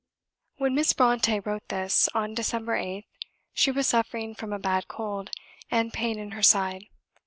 When Miss Brontë wrote this, on December 8th, she was suffering from a bad cold, and pain in her side.